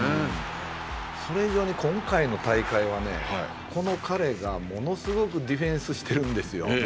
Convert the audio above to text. それ以上に今回の大会はこの彼がものすごくディフェンスしてるんですよ。